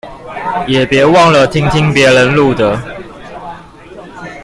也別忘了聽聽別人錄的